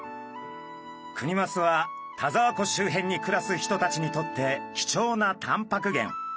クニマスは田沢湖周辺に暮らす人たちにとって貴重なタンパク源。